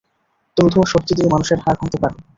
তুমি তোমার শক্তি দিয়ে মানুষের হাড় ভাঙতে পারো।